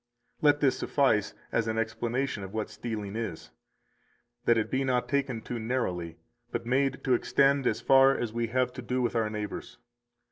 250 Let this suffice as an explanation of what stealing is, that it be not taken too narrowly, but made to extend as far as we have to do with our neighbors.